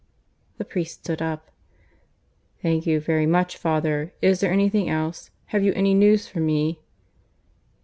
The priest stood up. "Thank you very much, father. Is there anything else? Have you any news for me?"